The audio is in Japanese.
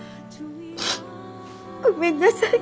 ごめんなさい。